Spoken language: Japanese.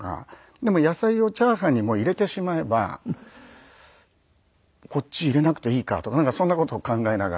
でも野菜をチャーハンに入れてしまえばこっち入れなくていいかとかなんかそんな事を考えながら。